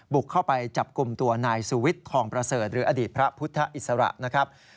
บุกเข้าไปจับกลุ่มตัวนายสุวิทย์ทองประเสริฐหรืออดีตพระพุทธอิสระนะครับ